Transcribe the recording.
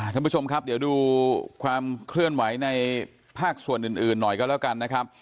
ท่านผู้ชมครับเดี๋ยวดูความเคลื่อนไหวในภาคส่วนอื่นหน่อยก็แล้วกันนะครับ